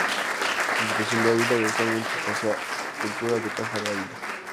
Diputación de Ávila, y actualmente Espacio Cultural de Caja de Ávila.